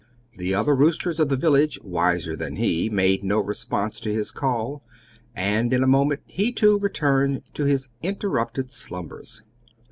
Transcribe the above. The other roosters of the village, wiser than he, made no response to his call, and in a moment he, too, returned to his interrupted slumbers.